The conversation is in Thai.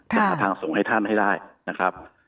จะหาทางส่งให้ท่านให้ได้นะครับ